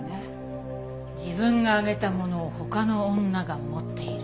自分があげたものを他の女が持っている。